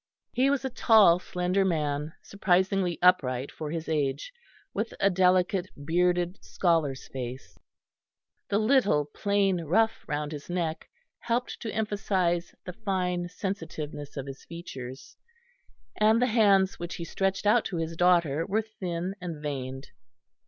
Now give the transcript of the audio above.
He was a tall, slender man, surprisingly upright for his age, with a delicate, bearded, scholar's face; the little plain ruff round his neck helped to emphasise the fine sensitiveness of his features; and the hands which he stretched out to his daughter were thin and veined.